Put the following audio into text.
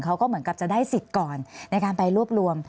เขาก็เหมือนกับจะได้สิทธิ์ก่อนในการไปรวบรวม